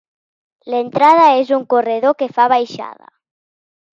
L'entrada és un corredor que fa baixada.